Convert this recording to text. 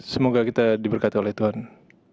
semoga kita diberkati oleh tuhan terima kasih